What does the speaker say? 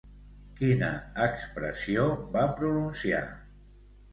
Quina expressió va pronunciar?